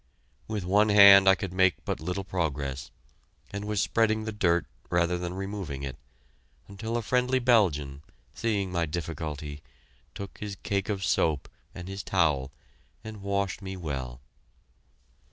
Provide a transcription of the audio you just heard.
With one hand I could make but little progress, and was spreading the dirt rather than removing it, until a friendly Belgian, seeing my difficulty, took his cake of soap and his towel, and washed me well.